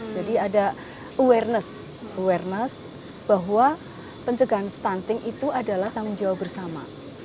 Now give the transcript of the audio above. jadi ada awareness bahwa penjagaan stunting itu adalah tanggung jawab bersama